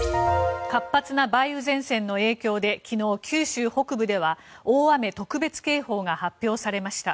活発な梅雨前線の影響で昨日、九州北部では大雨特別警報が発表されました。